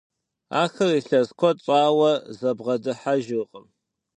Ахэр илъэс куэд щӏауэ зыбгъэдыхьэжыркъым.